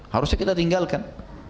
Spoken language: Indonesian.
harusnya kita tinggalkan